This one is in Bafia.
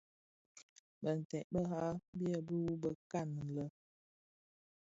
Binted bira byèbi mbi wu bëkan lè.